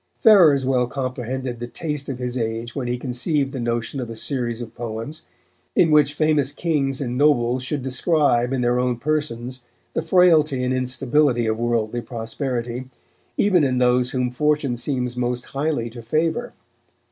Ferrers well comprehended the taste of his age when he conceived the notion of a series of poems, in which famous kings and nobles should describe in their own persons the frailty and instability of worldly prosperity, even in those whom Fortune seems most highly to favour.